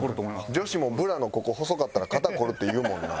女子もブラのここ細かったら肩凝るっていうもんな。